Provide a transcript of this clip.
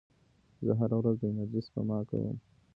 زه هره ورځ د انرژۍ سپما کوم.